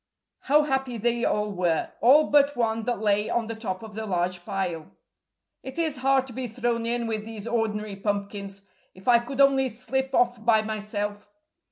How happy they all were all but one that lay on the top of the large pile. "It is hard to be thrown in with these ordinary pumpkins. If I could only slip off by myself.